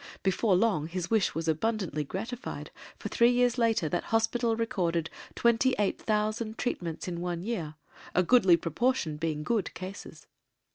Before long his wish was abundantly gratified for three years later that hospital recorded twenty eight thousand treatments in one year, a goodly proportion being "good" cases.